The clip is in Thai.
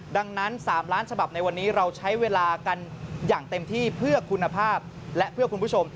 ดังนั้น๓ล้านฉบับในวันนี้เราใช้เวลากันอย่างเต็มที่เพื่อคุณภาพและเพื่อคุณผู้ชม